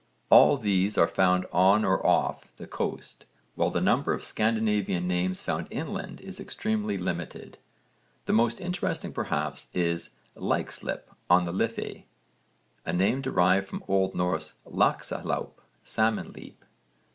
All these are found on or off the coast, while the number of Scandinavian names found inland is extremely limited. The most interesting perhaps is Leixlip on the Liffey, a name derived from O.N. laxahlaup, 'salmon leap.'